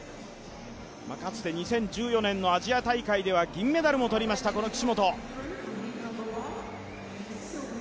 かつて２０１４年のアジア大会では銀メダルも取りました岸本。